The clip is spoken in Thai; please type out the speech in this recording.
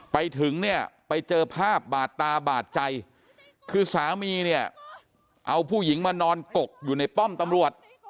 ไปถึงเนี่ยไปเจอภาพบาดตาบาดใจคือสามีเนี่ยเอาผู้หญิงมานอนกกอยู่ในป้อมตำรวจ